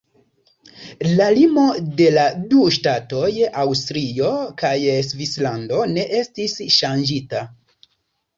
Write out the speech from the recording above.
La limo de la du ŝtatoj Aŭstrio kaj Svislando ne estis ŝanĝita.